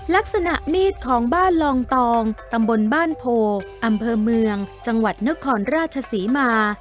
ลักษณะมีดของบ้านลองตองตำบลบ้านโพอำเภอเมืองจังหวัดนครราชศรีมา